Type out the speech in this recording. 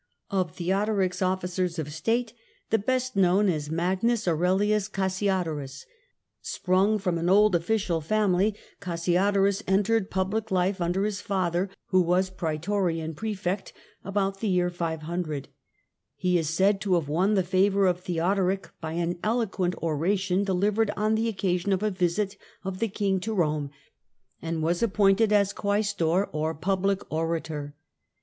Of Theodoric's officers of State, the best known if THE GOTHIC KINGDOM IN ITALY 27 vtagnus Aiirelius Cassiodorus. Sprung from an oldcassio .fficial family, Cassiodorus entered public life under lis father, who was Praetorian Prefect, about the year 00. He is said to have won the favour of Theodoric by ^ eloquent oration delivered on the occasion of a visit f the King to Eome, and was appointed as Quaestor, or Public Orator.